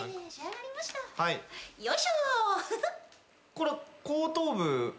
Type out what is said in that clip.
これ後頭部。